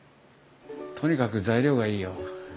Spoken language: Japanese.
とにかく材料がいいよ。